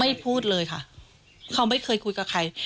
พูดเลยค่ะเขาไม่เคยคุยกับใคร